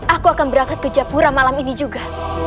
aku akan berangkat ke japura malam ini juga